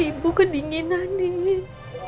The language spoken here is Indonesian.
ibu kedinginan dingin